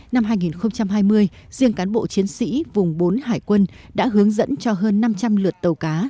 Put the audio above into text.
năm hai nghìn hai mươi riêng cán bộ chiến sĩ vùng bốn hải quân đã hướng dẫn cho hơn năm trăm linh lượt tàu cá